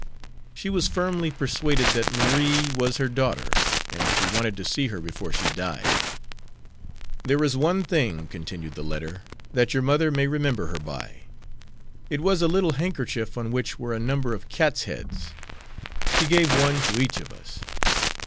She was firmly persuaded that Marie was her daughter, and she wanted to see her before she died. "There is one thing," continued the letter, "that your mother may remember her by. It was a little handkerchief on which were a number of cats' heads. She gave one to each of us."